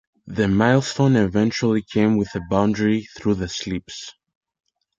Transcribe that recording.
The milestone eventually came with a boundary through the slips.